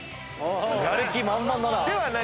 やる気満々だな。